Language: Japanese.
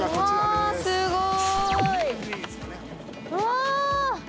すごい！